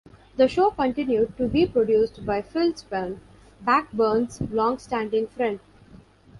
The show continued to be produced by Phil Swern, Blackburn's long-standing friend.